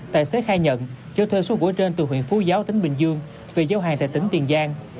tài xế khai nhận cho thuê số gỗ trên từ huyện phú giáo tỉnh bình dương về giao hàng tại tỉnh tiền giang